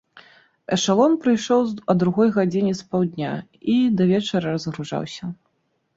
Эшалон прыйшоў а другой гадзіне спаўдня і да вечара разгружаўся.